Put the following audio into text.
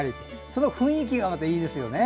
その雰囲気がまたいいですよね。